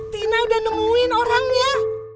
tina udah nemuin orangnya